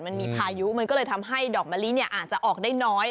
มันมีพายุมันก็เลยทำให้ดอกมะลิอาจจะออกได้น้อย